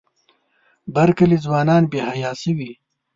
بر کلي ځوانان بې حیا شوي.